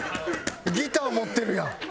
ギター持ってるやん！